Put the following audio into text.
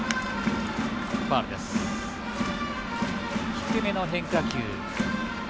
低めの変化球。